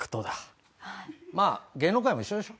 まあ芸能界も一緒でしょ。